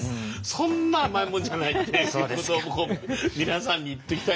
そんな甘いもんじゃないっていうことを皆さんに言っときたいんですけど。